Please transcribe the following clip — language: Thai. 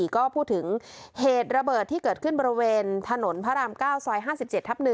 ก็พูดถึงเหตุระเบิดที่เกิดขึ้นบริเวณถนนพระราม๙ซอย๕๗ทับ๑